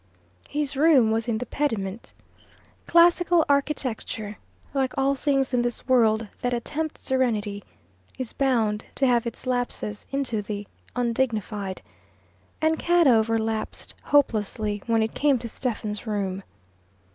His room was in the pediment. Classical architecture, like all things in this world that attempt serenity, is bound to have its lapses into the undignified, and Cadover lapsed hopelessly when it came to Stephen's room.